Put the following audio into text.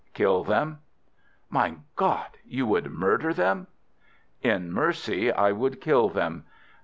"Kill them." "Mein Gott! You would murder them?" "In mercy I would kill them.